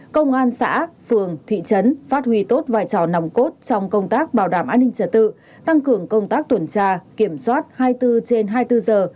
công an xã phường thị trấn phát huy tốt vai trò nòng cốt trong công tác bảo đảm an ninh trả tự tăng cường công tác tuần tra kiểm soát hai mươi bốn trên hai mươi bốn giờ